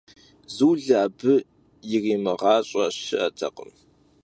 Zule abı yirimığaş'e şı'etekhım.